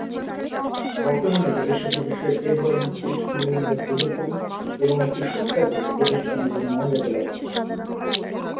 বর্তমানে প্রতিষ্ঠানটি বিশ্বের এধরনের প্রতিষ্ঠানগুলির মধ্যে বৃহত্তম এবং একটি সুখ্যাত প্রতিষ্ঠানরূপে মর্যাদা লাভ করেছে।